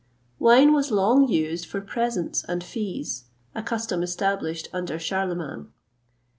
Wine was long used for presents and fees a custom established under Charlemagne.